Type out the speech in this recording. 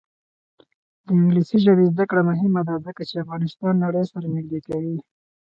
د انګلیسي ژبې زده کړه مهمه ده ځکه چې افغانستان نړۍ سره نږدې کوي.